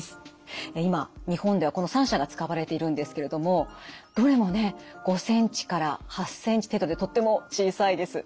今日本ではこの３社が使われているんですけれどもどれもね５センチから８センチ程度でとっても小さいです。